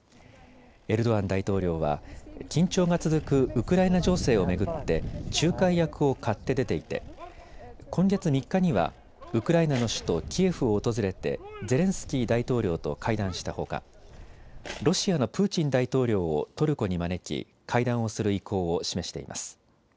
エルドアン大統領は緊張が続くウクライナ情勢を巡って仲介役を買って出ていて今月３日にはウクライナの首都、キエフを訪れてゼレンスキー大統領と会談したほかロシアのプーチン大統領をトルコに招き、会談をする意向を示しています。